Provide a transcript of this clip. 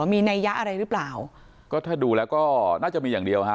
มีนัยยะอะไรหรือเปล่าก็ถ้าดูแล้วก็น่าจะมีอย่างเดียวฮะ